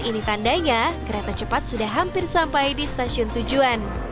ini tandanya kereta cepat sudah hampir sampai di stasiun tujuan